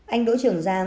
anh đỗ trưởng giang